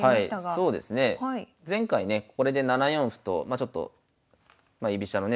前回ねこれで７四歩とまあちょっとまあ居飛車のね